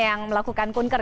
yang melakukan kunker